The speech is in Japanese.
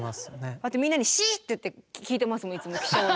だってみんなに「シッ！」って言って聞いてますもんいつも。